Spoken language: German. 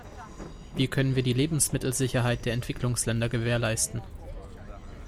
Wie können wir die Lebensmittelsicherheit der Entwicklungsländer gewährleisten?